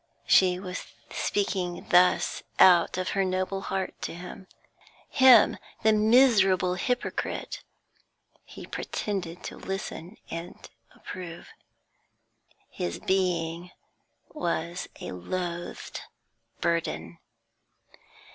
She was speaking thus out of her noble heart to him him, the miserable hypocrite; he pretended to listen and to approve. His being was a loathed burden.